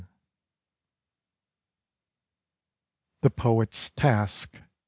II. THE POET'S TASK.